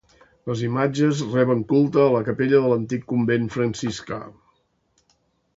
Les imatges reben culte a la capella de l'antic convent franciscà.